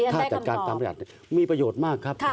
ถ้าจัดการตามประหยัดมีประโยชน์มากครับ